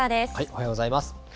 おはようございます。